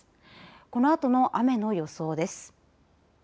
このあとの雨の予想です。